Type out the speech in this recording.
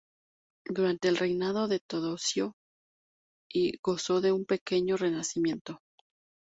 Durante el reinado de Teodosio I gozó de un pequeño renacimiento.